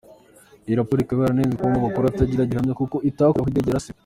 Iyi raporo ikaba yaranenzwe kubamo amakuru atagira gihamya kuko itakorewe aho indege yarasiwe.